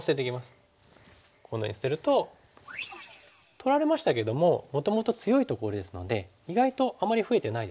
取られましたけどももともと強いところですので意外とあまり増えてないですよね。